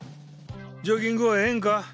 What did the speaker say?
ジョギングはええんか？